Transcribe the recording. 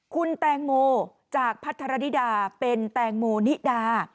คุณแตงโมจากพัทรดิดาเป็นแตงโมนิดา